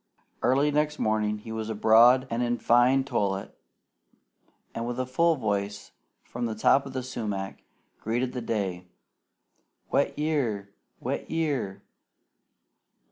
Early next morning he was abroad and in fine toilet, and with a full voice from the top of the sumac greeted the day "Wet year! Wet year!"